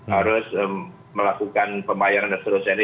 harus melakukan pembayaran dan sebagainya